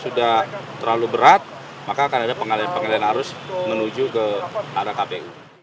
sudah terlalu berat maka akan ada pengalian pengalian arus menuju ke arah kpu